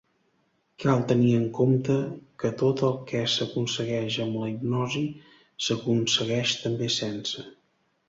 Cal tenir en compte que tot el que s'aconsegueix amb la hipnosi s'aconsegueix també sense.